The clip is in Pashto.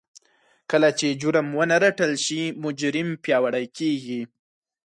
کله چې جرم ونه رټل شي مجرم پياوړی کېږي.